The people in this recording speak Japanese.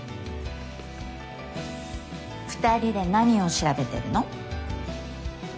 ２人で何を調べてるの？